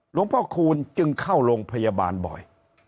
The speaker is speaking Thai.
หลวงพ่อคูณจึงเข้าโรงพยาบาลบ่อย